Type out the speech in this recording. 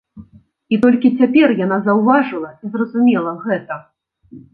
І толькі цяпер яна заўважыла і зразумела гэта.